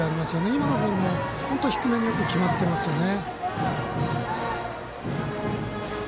今のボールも本当に低めによく決まっていますよね。